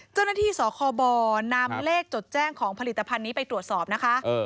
เจ้าหน้าที่สคบนำเลขจดแจ้งของผลิตภัณฑ์นี้ไปตรวจสอบนะคะ